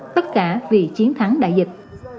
tất cả vì chiến thắng đại dịch